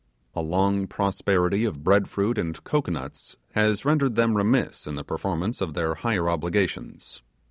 A long prosperity of bread fruit and cocoanuts has rendered them remiss in the performance of their higher obligations.